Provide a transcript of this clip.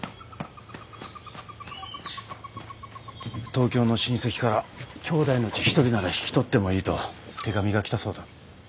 東京の親戚からきょうだいのうち一人なら引き取ってもいいと手紙が来たそうだ。